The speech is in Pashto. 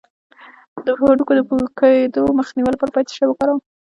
د هډوکو د پوکیدو مخنیوي لپاره باید څه شی وکاروم؟